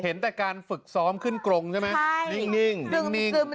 เห็นแต่การฝึกซ้อมขึ้นกรงใช่ไหม